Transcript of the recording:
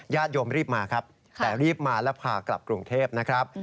โยมรีบมาครับแต่รีบมาแล้วพากลับกรุงเทพนะครับ